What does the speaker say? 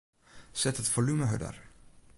Set it folume hurder.